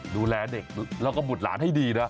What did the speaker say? ดูแลเด็กแล้วก็บุตรหลานให้ดีนะ